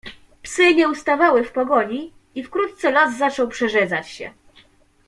"Psy nie ustawały w pogoni i wkrótce las zaczął przerzedzać się."